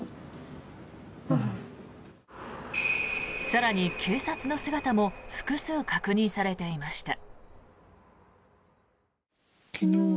更に、警察の姿も複数確認されていました。